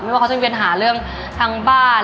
ว่าเขาจะมีปัญหาเรื่องทางบ้าน